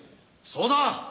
そうだ。